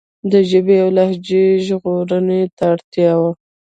د ژبې او لهجو ژغورنې ته اړتیا وه.